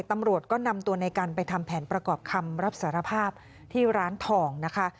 ตำรวจก็นำตัวในกันไปทำแผนประกอบคำรับสารภาพที่ร้านทองนะคะ